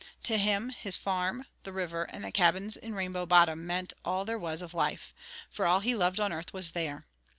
To him, his farm, the river, and the cabins in Rainbow Bottom meant all there was of life, for all he loved on earth was there.